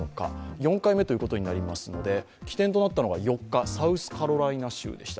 ４回目ということになりますので起点となったのが４日、サウスカロライナ州でした。